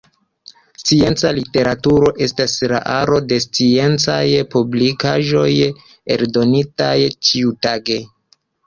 Scienca literaturo estas la aro de sciencaj publikaĵoj eldonitaj ĉiutage.